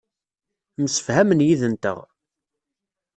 Msefhamen yid-nteɣ.